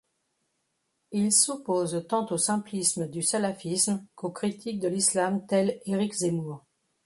Il s'oppose tant aux simplismes du salafisme qu'aux critiques de l'islam tel Éric Zemmour.